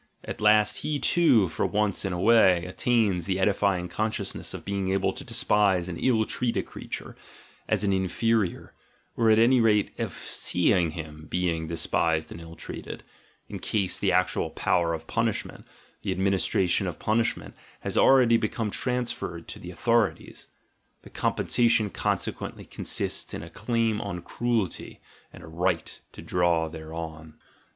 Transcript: At last he too, for once in a way, attains the edify ing consciousness of being able to despise and ill treat a creature — as an "inferior" — or at any rate of seeing "GUILT" AND "BAD CONSCIENCE" 51 him being despised and ill treated, in case the actual power of punishment, the administration of punishment, has already become transferred to the "authorities." The compensation consequently consists in a claim on cruelty and a right to draw thereon.